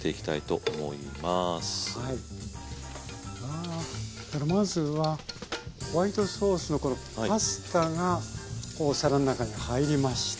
あまずはホワイトソースのこのパスタがお皿の中に入りました。